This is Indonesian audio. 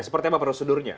seperti apa prosedurnya